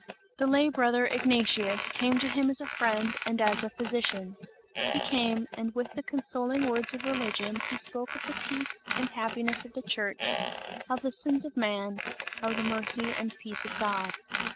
The lay brother Ignatius came to him as a friend and as a physician. He came, and with the consoling words of religion, he spoke of the peace and happiness of the church, of the sins of man, of the mercy and peace of God.